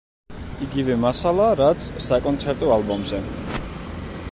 იგივე მასალა, რაც საკონცერტო ალბომზე.